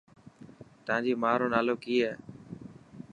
تانجي ماءُ رو نالو ڪي هي.